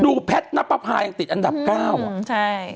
แพทย์นับประพายังติดอันดับเก้าอ่ะใช่